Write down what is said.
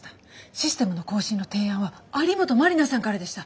システムの更新の提案は有本マリナさんからでした。